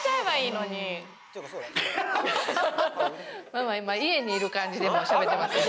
ママ今家にいる感じでもうしゃべってますね。